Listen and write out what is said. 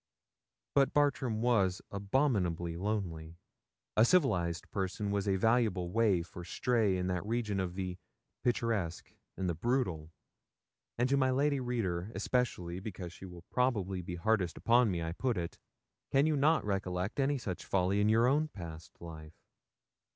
But Bartram was abominably lonely. A civilised person was a valuable waif or stray in that region of the picturesque and the brutal; and to my lady reader especially, because she will probably be hardest upon me, I put it can you not recollect any such folly in your own past life?